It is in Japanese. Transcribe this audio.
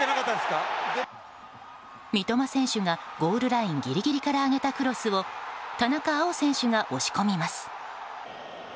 三笘選手がゴールラインギリギリから上げたクロスを田中碧選手が押し込みます。